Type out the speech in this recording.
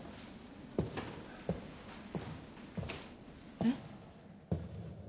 えっ。